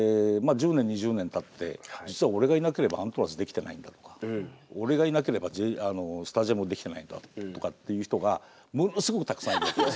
１０年２０年たって実は俺がいなければアントラーズできてないんだとか俺がいなければスタジアムできないんだとかっていう人がものすごくたくさんいるわけです。